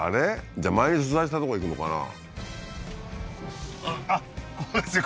じゃあ前に取材したとこ行くのかな？